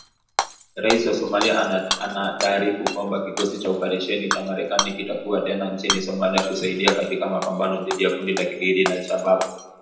Rais wa Somalia anataarifu kwamba kikosi cha operesheni cha Marekani kitakuwa tena nchini Somalia kusaidia katika mapambano dhidi ya kundi la kigaidi la al-Shabaab.